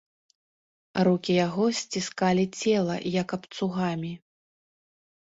Рукі яго сціскалі цела, як абцугамі.